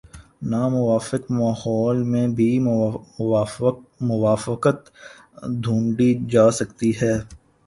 ناموافق ماحول میں بھی موافقت ڈھونڈی جا سکتی ہے۔